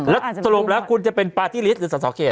แล้วสรุปแล้วคุณจะเป็นปาที่ฤทธิ์หรือสตเขต